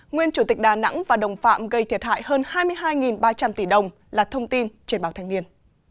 nguyên chủ tịch đà nẵng và đồng phạm gây thiệt hại hơn hai mươi hai ba trăm linh tỷ đồng là thông tin trên báo thanh niên